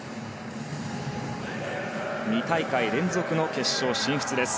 ２大会連続の決勝進出です。